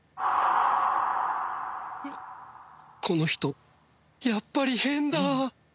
この人やっぱり変だ！